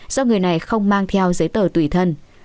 do người này không mang theo giấy tờ tùy thân